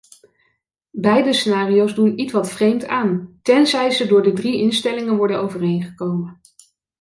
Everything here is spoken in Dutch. Beide scenario's doen ietwat vreemd aan, tenzij ze door de drie instellingen worden overeengekomen.